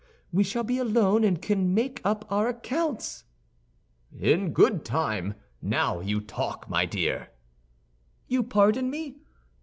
We shall be alone, and can make up our accounts." "In good time. Now you talk, my dear." "You pardon me?"